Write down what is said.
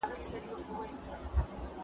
ميوې د زهشوم له خوا خورل کيږي